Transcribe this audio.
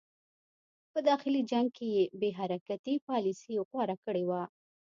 په داخلي جنګ کې یې بې حرکتي پالیسي غوره کړې وه.